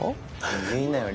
言いなよ